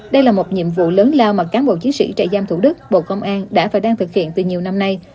đây là một nhiệm vụ lớn lao mà cán bộ chiến sĩ trại giam thủ đức bộ công an đã và đang thực hiện từ nhiều năm nay